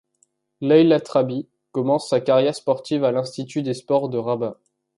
Laila Traby commence sa carrière sportive à l’institut des sports de Rabat.